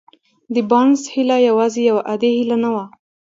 د بارنس هيله يوازې يوه عادي هيله نه وه.